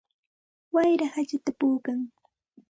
Wayra hachata puukan.